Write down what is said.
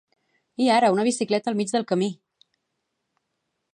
I ara una bicicleta al mig del camí!